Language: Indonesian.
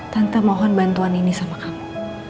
tanpa mohon bantuan ini sama kamu